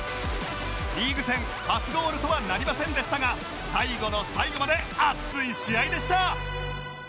リーグ戦初ゴールとはなりませんでしたが最後の最後まで熱い試合でした